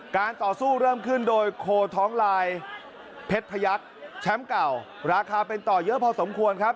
ต่อสู้เริ่มขึ้นโดยโคท้องลายเพชรพยักษ์แชมป์เก่าราคาเป็นต่อเยอะพอสมควรครับ